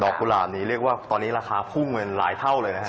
ดอกกุหลาดนี้เรียกว่าตอนนี้ราคาพุ่งเหมือนหลายเท่าเลยนะครับ